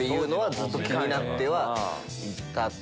ずっと気になってはいた。